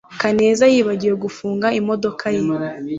kaneza yibagiwe gufunga imodoka ye